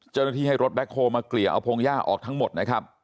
เจ้าหน้าที่ให้รถแบ็คโฮลมาเกลี่ยเอาพงหญ้าออกทั้งหมดนะครับ